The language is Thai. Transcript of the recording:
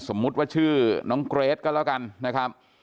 สมมุติว่าชื่อน้องเกรทก็แล้วกันนะครับ